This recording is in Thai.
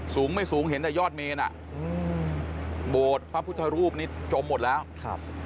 สูงไม่สูงเห็นแต่ยอดเมนอ่ะอืมโบสถ์พระพุทธรูปนี้จมหมดแล้วครับ